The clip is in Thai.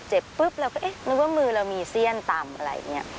ปุ๊บเราก็เอ๊ะนึกว่ามือเรามีเสี้ยนตำอะไรอย่างนี้